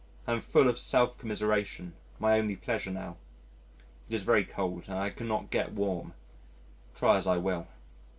I am full of self commiseration my only pleasure now. It is very cold and I cannot get warm try as I will.